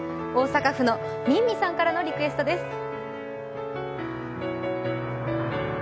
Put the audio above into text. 大阪府の、みんみさんからのリクエストです。